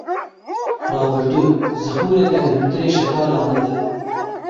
Rabirdû, zixureke di hundirê şekala min de.